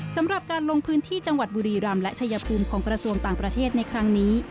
สำหรับการลงพื้นที่จังหวัดบุรีรำและชายภูมิของกระทรวงต่างประเทศในครั้งนี้